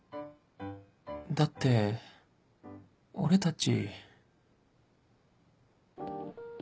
だって俺たち